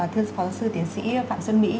thưa phó giáo sư tiến sĩ phạm xuân mỹ